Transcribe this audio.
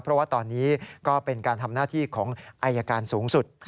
เพราะว่าตอนนี้ก็เป็นการทำหน้าที่ของอายการสูงสุด